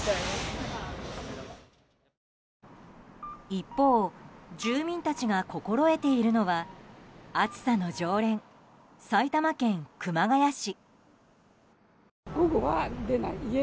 一方住民たちが心得ているのは暑さの常連、埼玉県熊谷市。